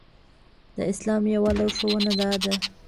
د اسلام يوه لارښوونه دا ده.